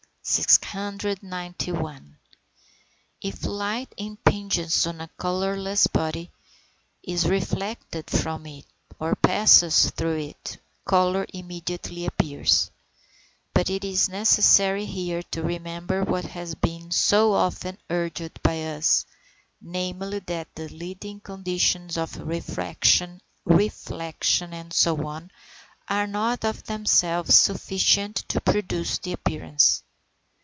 Note Z. 691. If light impinges on a colourless body, is reflected from it or passes through it, colour immediately appears; but it is necessary here to remember what has been so often urged by us, namely, that the leading conditions of refraction, reflection, &c., are not of themselves sufficient to produce the appearance.